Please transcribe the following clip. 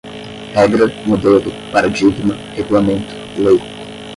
regra, modelo, paradigma, regulamento, lei